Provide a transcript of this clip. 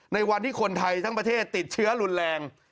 ในวันที่คนไทยทั้งประเทศติดเชื้อรุนแรง